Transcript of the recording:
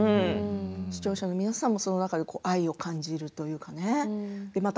視聴者の皆さんもそれで愛を感じるんですよね。